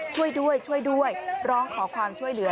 ช่วยด้วยช่วยด้วยร้องขอความช่วยเหลือ